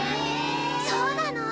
そうなの？